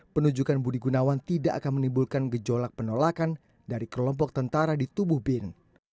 penunjukan budi gunawan tidak akan menimbulkan gejolak penolakan dari kelompok tentara di tubuh bin